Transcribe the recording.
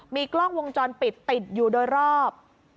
มีกล้องวงจรปิดติดอยู่โดยรอบ